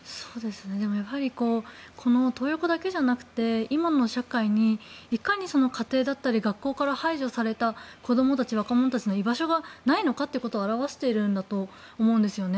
やはりこのトー横だけじゃなくて今の社会に、いかに家庭だったり学校から排除された子どもたち、若者たちの居場所がないことを表しているんだと思うんですよね。